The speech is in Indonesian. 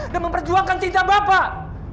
dan memperjuangkan cinta bapak